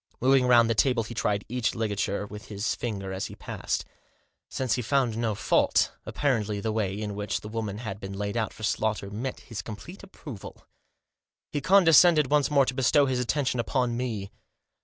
Moving round the table, he tried each ligature with his finger as he passed. Since he found no fault, apparently the way in which the woman had been laid out for slaughter met with his complete approval. He condescended once more to bestow his attention upon me.